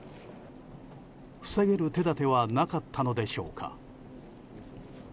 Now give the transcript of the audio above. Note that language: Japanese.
防げる手立てはなかったのでしょうか。